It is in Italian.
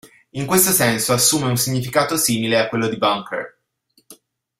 In questo senso assume un significato simile a quello di bunker.